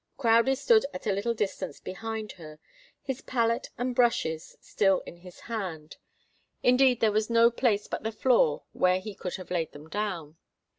Crowdie stood at a little distance behind her, his palette and brushes still in his hand. Indeed, there was no place but the floor where he could have laid them down.